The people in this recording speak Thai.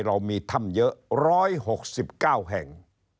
เรามีถ้ำเยอะ๑๖๙แห่ง